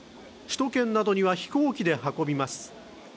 首都圏などには飛行機で運びます。